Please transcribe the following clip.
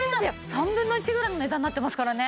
３分の１ぐらいの値段になってますからね。